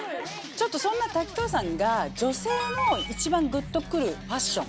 そんな滝藤さんが女性の一番グッと来るファッション